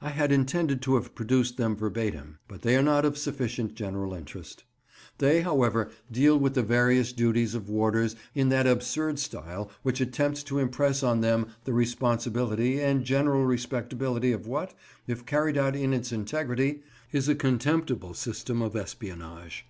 I had intended to have produced them verbatim, but they are not of sufficient general interest. They, however, deal with the various duties of warders in that absurd style which attempts to impress on them the responsibility and general respectability of what, if carried out in its integrity, is a contemptible system of espionage.